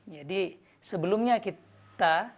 jadi sebelumnya kita